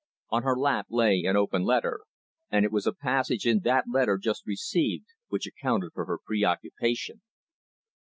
On her lap lay an open letter, and it was a passage in that letter just received which accounted for her preoccupation.